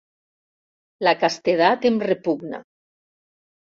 La castedat em repugna.